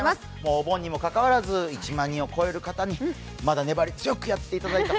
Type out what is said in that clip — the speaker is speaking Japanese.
お盆にもかかわらず、１万人を超える方に、まだ粘り強くやっていただいた